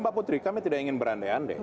mbak putri kami tidak ingin berande ande